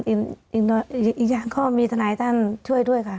อีกอย่างก็มีทนายท่านช่วยด้วยค่ะ